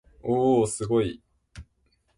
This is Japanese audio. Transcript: おおおすごい